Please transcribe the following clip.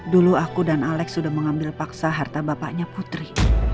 dulu aku dan alex sudah mengambil paksa harta bapaknya putri